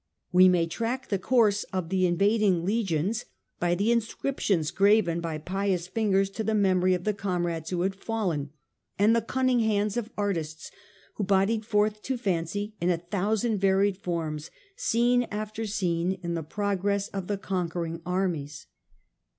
We may track the course of the invading legions by the inscriptions graven by pious fingers to the memory of the comrades who had fallen ; and the cun ning hands of artists have bodied forth to fancy in a thousand varied forms scene after scene in the progress of the conquering armies.